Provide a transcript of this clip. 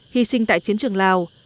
hy sinh tại chiến trường lào